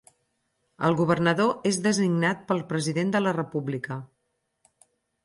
El governador és designat pel president de la república.